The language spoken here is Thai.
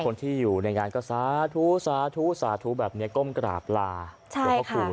คนที่อยู่ในงานก็สาธุแบบนี้ก้มกราบลาหลวงพระคูณนะครับ